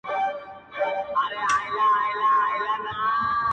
څه نعمت خالق راکړی وو ارزانه!!